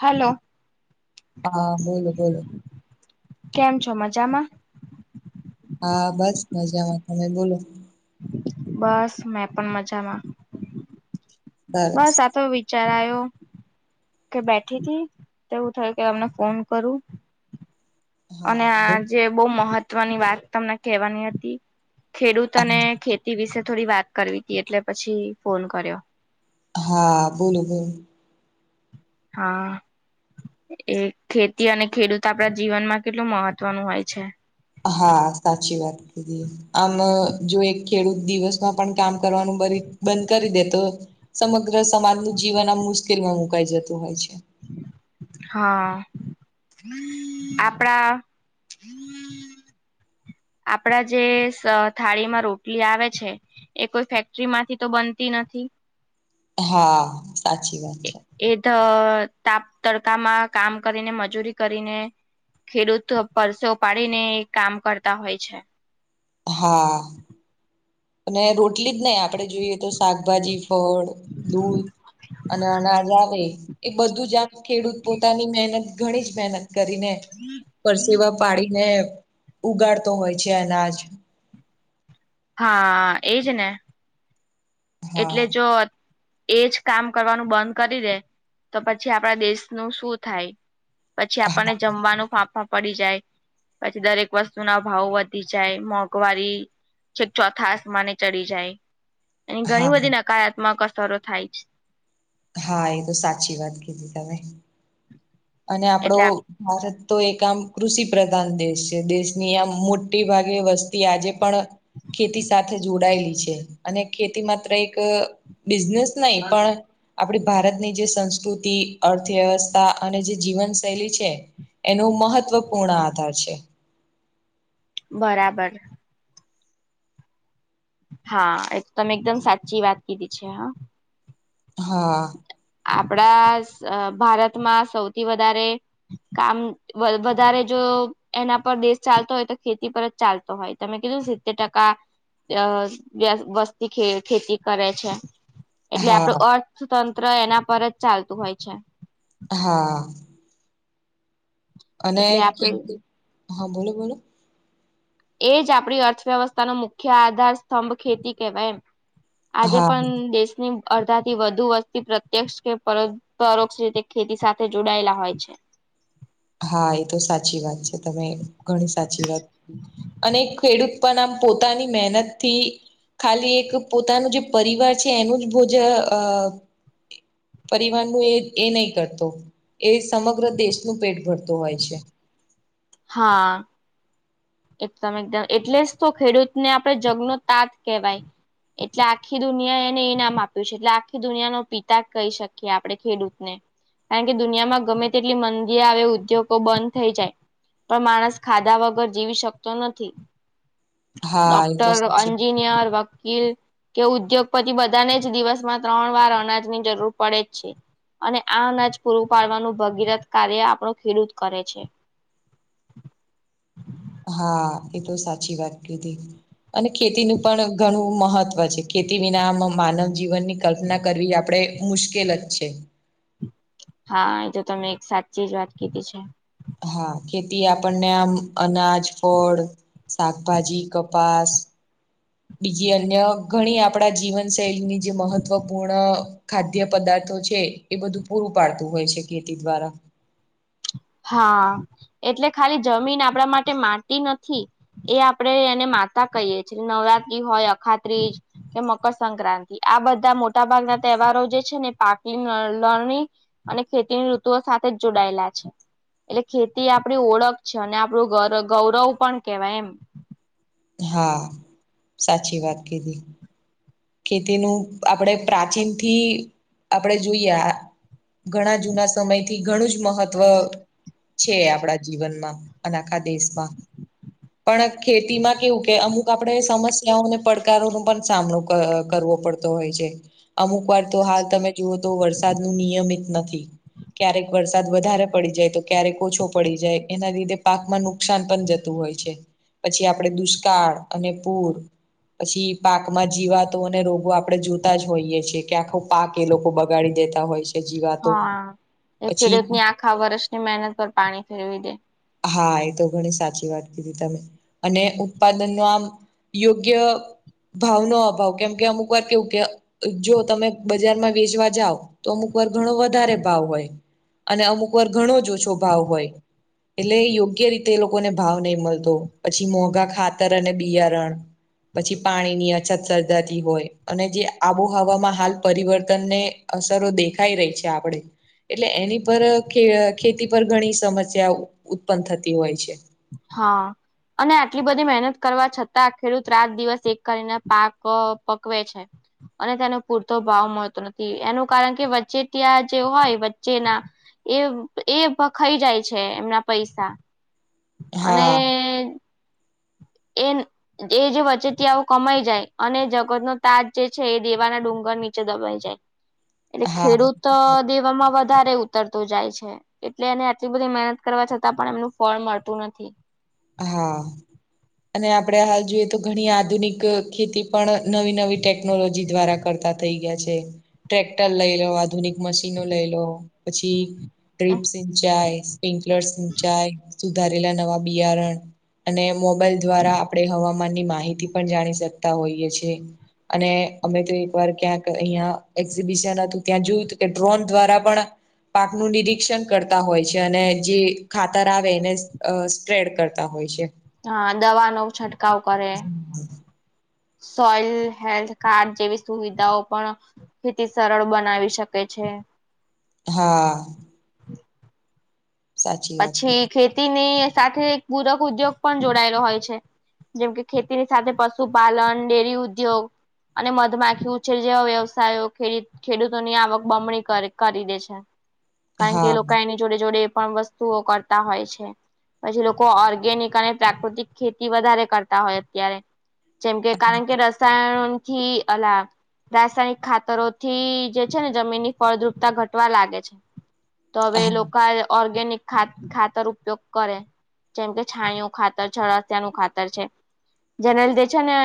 Hello હા બોલો બોલો કેમ છો મજામાં? હા બસ મજામાં તમે બોલો. [inaudible] બસ મેં પણ મજામાં. સરસ બસ આતો વી વિચાર આયો કે બેઠી હતીથી તેવું થયુ કે તમને ફોન કરું. અને હા બોલ આજે બહુ મહત્વની વાત તમને કહેવાની હતી ખેડૂત અને ખે તે વિશે થોડી વાત કરવી તી એટલે પછી ફોન કર્યો હા, બોલો બોલો હા એ ખેતી અને ખેડૂત આપણા જીવનમાં કેટલું મહત્વનું હોય છે હા સાચી વાત આમ જો એક ખેડૂત દિવસમાં પણ કામ કરવાનું બંધ કરી દે તો સમગ્ર સમાજનું જીવન આમ મુશ્કેલમાં મુકાઈ જતું હોય છે હા આપડા આપડા જે થાળીમાં રોટલી આવે છે એ કોઈ ફેક્ટરી માંથી તો બનતી નથી હા, સાચી વાત છે એ ધ તાપ તડકામાં કામ કરીને મજૂરી કરીને ખેડૂતો પરસેવો ઉપાડીને કામ કરતા હોય છે હા અને રોટલી જ નહી આપણે જોઈએ તો શાકભાજી ફળ દૂધ અને અનાજ આવે એ બધું જ આમ ખેડૂત પોતાની મહેનત ઘણી જ મહેનત કરીને પરસેવા પાડીને ઉગાડતો હોય છે અનાજ હા, એજ ને હા એટલે જો એજ કામ કરવાનું બંધ કરી દે તો પછી આપણા દેશનું શું થાય પછી આપણને હા જમવાનું ફાફા પડી જાય પછી દરેક વસ્તુ ના ભાવ વધી જાય મોંઘવારી છે ચોથા આસમાને ચડી જાય એની ઘણી હા બધી નકારાત્મક અથરો થાય છે હા, એ તો સાચી વાત કીધી તમે અને આપડો એટલે ભારત તો એક આમ કૃષિ પ્રધાન દેશ છે દેશની આમ મોટી ભાગે વસ્તુ તે આજે પણ ખેતી સાથે જોડાયેલી છે અને ખેતી માત્ર એક બિઝનેસ નહી પણ આપડી ભારતની જે સંસ્કૃતિ, અર્થવ્યવસ્થા અને જે જીવન શૈલી છે એનો મહત્વપૂર્ણ આધાર છે બરાબર હા, એ તમે એકદમ સાચી વાત કીધી છે હા આપડા ભારતમાં સૌથી વધારે કામ વલભ વધારે જો એના પર દેશ ચાલતો હોય તો ખેતી પર જ ચાલતો હોય, તમે કીધું સિત્તેર ટકા અ વ વસ્તી ખેતી કરે છે એટલે હા આપડું અર્થતંત્ર એના પર ચાલતું હોય છે હા અને, એટલે આપડું ખેતી હા બોલો બોલો એ જ આપણી અર્થવ્યવસ્થાનો મુખ્ય આધાર સ્તંભ ખેતી કહેવાય એમ આજે હા પણ દેશની અડધાથી વધુ વસ્તી પ્રત્યક્ષ કે પર પરોક્ષ રીતે ખેતી સાથે જોડાયેલા હોય છે હા, એ તો સાચી વાત છે તમે ઘણી સાચી વાત અને ખેડૂત પણ આમ પોતાની મહેનત થી ખાલી એક પોતાનું જે પરિવાર છે એનું જ ભોજન અ પરિવારનું એ એ ન‌ઈ કરતો એ સમગ્ર દેશનું પેટ ભરતો હોય છે. હા. એકદમ એકદમ. એટલે જ તો ખેડુતને આપણે જગનો તાત કહેવાય. એટલે આખી દુનિયાએ એને એ નામ આપ્યું છે. એટલે આખી દુનિયાનો પિતા કહી શકીએ આપણે ખેડુતને. કારણ કે, દુનિયામાં ગમે તેટલી મંદી આવે ઉદ્યોગો બંધ થઈ જાય પણ માણસ ખાધા વગર જીવી શકતો નથી. હા એ તો ડોક્ટર, સાચી અન્જિનિયર, વકીલ કે ઉદ્યોગપતિ બધાને જ દિવસમાં ત્રણવાર અનાજની જરૂર પડે જ છે. અને આ અનાજ પૂરું પાડવાનું ભગીરથ કાર્ય આપણો ખેડુત કરે છે. હા. એતો સાચી વાત કીધી. અને ખેતીનું પણ ઘણું મહત્વ છે. ખેતી વિના અમોમાનવ જીવનની કલ્પના કરવી આપણે મુશ્કેલ જ છે. હા‌ એતો તમે એક સાચી જ વાત કીધી છે. હા. ખેતી આપણને આમ અનાજ, ફળ, શાકભાજી, કપાસ બીજી અન્ય ઘણી આપણા જીવનશૈલીની જે મહત્વપૂણ ખાદ્ય પદાર્થો છે. એ બધું પૂરું પાડતું હોય છે ખેતી દ્વારા. હા. એટલે ખાલી જમીન આપણા માટે માટી નથી. એ આપડે એને માતા કહીએ છે. નવરાત્રી હોય, અખાત્રીસ કે મકરસક્રાંતિ. આ બધાં મોટાભાગના તહેવારો જે છે ને પાકની નળ લણણી અને ખેતીની ઋતુઓ સાથે જ જોડાયેલા છે. એટલે ખેતી આપણી ઓળખ છે. અને ગોરગૌરવ પણ કહેવાય એમ. હા. સાચી વાત કીધી. ખેતીનું આપણે પ્રાચીનથી આપણેે જોઈએ આ ઘણાં જૂનાસમયથી ઘણું જ મહત્ત્વ છે. આપણા જીવનમાં અને આખા દેશમાં. પણ ખેતીમાં કેવું કે, અમુક આપણેે સમસ્યાઓ અને પડકારોનો પણ સામનો કર ક કરવો પડતો હોય છે. અમુકવાર તો હાલ તમે જુઓ તો વરસાદનું નિયમિત નથી. ક્યારેક વરસાદ વધારે પડી જાય તો ક્યારેક ઓછો પડી જાય. એના લીધે પાકમાં નુકસાન પણ જતું હોય છે. પછી આપણેે દુષ્કાળ અને પૂર પછી પાકમાં જ જીવાતો અને રોગો આપણે જોતા જ હોઈએ છીએ કે આખો પાક એ લોકો બગાડી દેતા હોય છે. જીવાતો. હા. એ પછી ખેડુતની આખા વર્ષની મહેનત પર પાણી ફેરવી દે. હા. એ તો ઘણી સાચી વાત કીધી તમે. અને ઉત્પાદનનું આમ યોગ્ય ભાવનો અભાવ કેમ કે અમુકવાર કેવું કે એક જો તમે બજારમાં વેચવા જાવ તો અમુક વાર ઘણો વધારે ભાવ હોય અને અમુક વાર ઘણો જ ઓછો ભાવ હોય એટલે એ યોગ્ય રીતે એ લોકોને ભાવ નહી મળતો. પછી મોંઘા ખાતર અને બિયારણ પછી પાણીની અ અછત સર્જાતી હોય અને જે આબોહવામાં હાલ પરિવર્તનને અસરો દે ખાઈ રહી છે આપણે એટલે એની પર ખે ખેતી પર ઘણી સમસ્યા ઉત્પન્ન થતી હોય છે. હા અને આટલી બધી મહેનત કરવા છતાં ખેડુત રાત દિવસ એક કરીને પાક પકવે છે. અને તેનો પૂરતો ભાવ મળતો નથી એનું કારણ કે વચ્ચે ત્યા જે હોય વચ્ચેના એ એ ભખાઈ જાય છે એમના પૈસા અને હા એન એ જે વચેટીઓ કમાઈ જાય અને જગતનો તાજ જે છે એ દેવાના ડુંગર નીચે દબાઈ જાય એટલે હા ખેડૂત દેવામાં વધારે ઉતરતો જાય છે. એટલે એને આટલી બધી મહેનત કરવા છતાં પણ એમનું ફળ મળતું નથી હા અને આપડણે હાલ જોઈએ તો ઘણી આધુનિક ખેતી પણ નવી નવી ટેકનોલોજી દ્વારા કરતા. ગયા છે ટ્રેક્ટર લઈ લો આધુનિક મશીનો લઈ લો પછી ડ્રીપ્સ નીચાય સ્પ્રિકલર નીચાય સુધારેલા નવા બિયારણ અને મોબાઈલ દ્વારા આપડે હવા માન ની માહિતી પણ જાણી શકતા હોઈએ છે. અને અમે તો એક વાર ક્યાંક અહીયાં એક્ઝિબિશન હતું. ત્યાં જોયું હતું કે ડ્રોન દ્વારા પણ પાકનું નિરીક્ષણ કરતા હોય છે. અને જે ખાતર આવે એન અ સ ટ્રેડ કરતા હોય છે. હા દવા નો છંટકાવ કરે. સોઈલ હેલ્થ કાર્ડ જેવી સુવિધાઓ પણ ખેતી સરળ બનાવી શકે છે. હા હ સાચી વાત પછી કીધી ખેતીની સાથે એક પૂરક ઉદ્યોગ પણ જોડાયેલો હોય છે. જેમ કે ખેતીની સાથે પશુપાલન ડેરી ઉદ્યોગ અને મધમાખી ઉછેર જેવા વ્યવસાયો ખેત ખેડૂતોની આવક બમણી કરે કરી દે છે. કારણ કે હા એ લોકો એની જોડે જોડે એ પણ વસ્તુઓ કરતા હોય છે. પછી લોકો ઓર્ગેનિક અને પ્રાકૃતિક ખેતી વધારે કરતા હોય અત્યારે જેમ કે કારણ કે રસાયણોથી [unintelligible] રાસાયણિક ખાતરો થી જે છે ને જમીન ની ફળદ્રુપતા ઘટવા લાગે છે. તો હવે એ હા લોકો એ ઓર્ગેનિક ખાત ખાતર ઉપયોગ કરે જેમ કે છાણીયુ ખાતર છે. અળસિયા નું ખાતર છે. જેને લીધે છે ને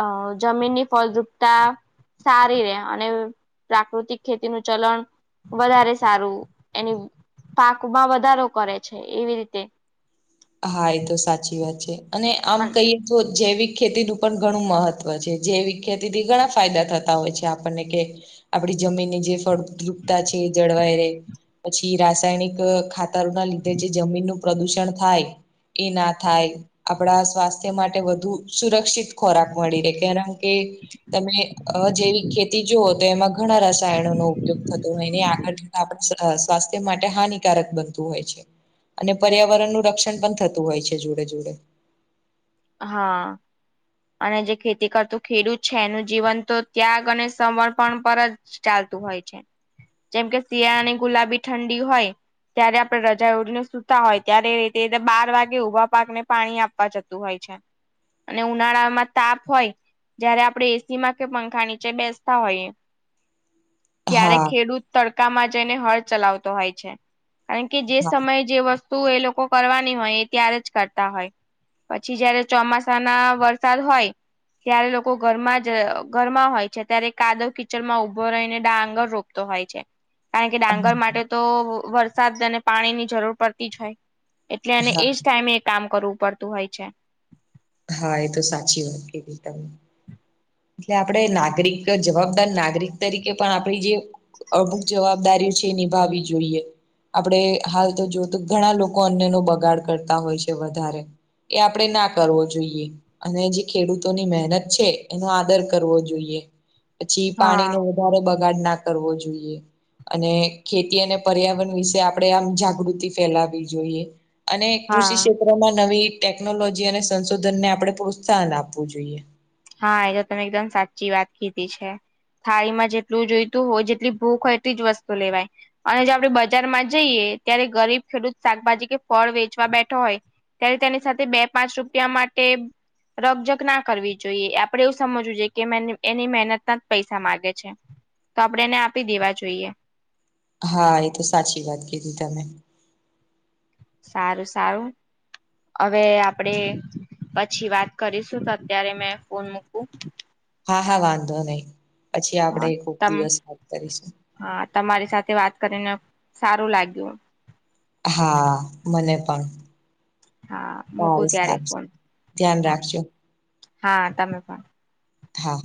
અ જમીન ની ફળદ્રુપતા સારી રે અને પ્રાકૃતિક ખેતીનું ચલણ વધારે સારું એની પાકમાં વધારો કરે છે. એવી રીતે હા એ તો સાચી વાત છે. અને આમ કહીએ તો જૈવિક ખેતી નું પણ ઘણું મહત્વ છે. જૈવિક ખેતી થી ઘણા ફાયદા થતા હોય છે. આપણને કે આપડી જમીનની જે ફળદ્રુપતા છે એ જળવાઈ રહેે. પછી રાસાયણિક ખાતરો ના લીધે જે જમીનનું પ્રદુષણ થાય. એ ના થાય આપણા સ્વાસ્થ્ય માટે વધુ સુરક્ષિત ખોરાક મળી રહે કારણકે તમે અ જેવી ખેતી જુઓ તો એમાં ઘણા રસાયણો નો ઉપયોગ થતો હોયને આગળ આપડે સ્વાસ્થ્ય માટે હાનિકારક બનતું હોય છે. અને પર્યાવરણનું રક્ષણ પણ થતું હોય છે જોડે જોડે હા અને જે ખેતી કરતો ખેડૂત છે એનું જીવન તો ત્યાગ અને સમર્પણ પર ચાલતું હોય છે. જેમ કે શિયાળાની ગુલાબી ઠંડી હોય ત્યારે આપડણે રજાય ઓઢીને સૂતા હોય ત્યારે ર બાર વાગે ઉભા પાકને પાણી આપવા જતા તુ હોય છે અને ઉનાળામાં તાપ હોય. જયારે આપણે એસી માં કે પંખા નીચે બેસતા હોઈએ. ત્યારે હા ખેડૂત તડકામાં જઈને હળ ચલાવતો હોય છે કારણ કે જે હા સમયે જે વસ તુ એ લોકો કરવાની હોય એ ત્યારે જ કરતા હોય. પછી જયારે ચોમાસા ના વરસાદ હોય. ત્યારે લોકો ઘરમાં જ ઘરમાં હોય છે ત્યારે કાદવ કિચડમાં ઊભો રહીને ડાંગર રોપતો હોય છે. કારણ કે ડાંગર હા માટે તો વઅ વરસાદ અને પાણીની જરૂર પડતી જ હોય એટલે એને હા એજ ટાઈમે એ કામ કરવું પડતું હોય છે. હા એ તો સાચી વાત કીધી તમે. એટલે આપણે નાગરિક જવાબદાર નાગરિક તરીકે પણ આપણી જે [unintelligible] જવાબદારી છે નિભાવી જોઈએ. આપડે હાલ તો જો તો ઘણા લોકો અન્યનો બગાડ કરતા હોય છે વધારે એ આપણેે ના કરવો જોઈએ અને જે ખેડૂતોની મહેનત છે. એનો આદર કરવો જોઈએ. પછી હા પાણીનો વધારે બગાડ ના કરવો જોઈએ. અને ખેતી અને પર્યાવરણ વિશે આપણે આમ જાગૃતિ ફેલાવી જોઈએ. અને કૃષિ હા. ક્ષેત્રમાં નવી ટેકનોલોજી અને સંશોધન ને આપણે પ્રોત્સાહન આપવું જોઈએ. હા. એ તો તમે એકદમ સાચી વાત કીધી છે. થાળી માં જેટલું જોઈતું હોય, જેટલી ભૂખ હોય એટલી જ વસ્તુ લેવાય. અને જો આપણે બજારમાં જઈએ ત્યારે ગરીબ ખેડૂત શાકભાજી કે ફળ વેચવા બેઠો હોય ત્યારે તેની સાથે બે પાંચ રૂપિયા માટે રકઝક ના કરવી જોઈએ. આપણે એવું સમજવું જોઈએ કે મેની એની મહેનત ના જ પૈસા માંગે છે. તો આપણે એને આપી દેવા જોઈએ. હા એ તો સાચી વાત કીધી તમે. સારું-સારું. હવે આપણે પછી વાત કરીશું. તો અત્યારે મેં ફોન મૂકું. હા, હા. વાંધો નહીં. પછી હા આપણેે કોક તમ દિવસ વાત કરીશું. હા. તમારી સાથે વાત કરીને સારું લાગ્યું. હા. મને પણ. હા મૂકું ત્યારે સારું-સારુંસ. ફોન ધ્યાન હા રાખજો. હા તમે પણ. હા.